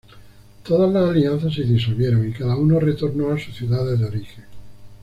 Todas las alianzas se disolvieron y cada uno retornó a sus ciudades de origen.